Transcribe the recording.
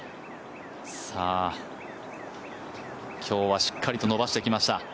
さあ、きょうはしっかりと伸ばしてきました。